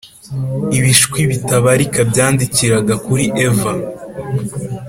ibishwi bitabarika byandikiraga kuri eva.